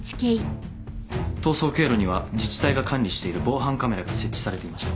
逃走経路には自治体が管理している防犯カメラが設置されていました。